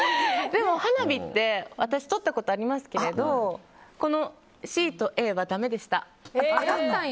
でも花火って私撮ったことありますけどＣとＡはだめでした。